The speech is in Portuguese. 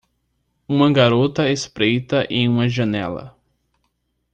Uma garota espreita em uma janela.